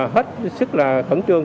hết sức là thẩm trương